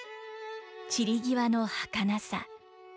散り際のはかなさ。